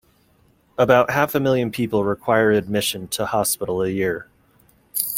About half a million people require admission to hospital a year.